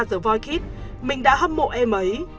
the voice kids mình đã hâm mộ em ấy